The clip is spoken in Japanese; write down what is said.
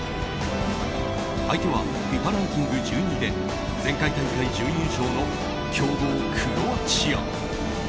相手はＦＩＦＡランキング１２位で前回大会準優勝の強豪クロアチア。